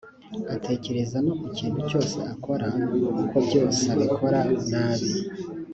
atekereza no kukintu cyose akora kobyos abikora nabi